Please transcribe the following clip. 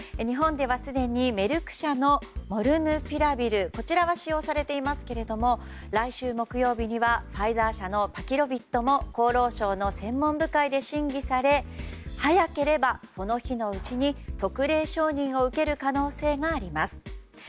日本ではすでにメルク社のモルヌピラビルこちらが使用されていますが来週木曜日にはファイザー社のパキロビッドも厚労省の専門部会で審議され早ければその日のうちに特例承認を受ける可能性があります。